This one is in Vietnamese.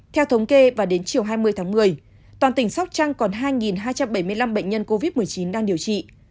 theo thống kê và đến chiều hai mươi tháng một mươi toàn tỉnh sóc trăng còn hai hai trăm bảy mươi năm bệnh nhân covid một mươi chín đang điều trị